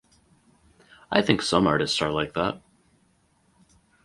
I think some artists are like that.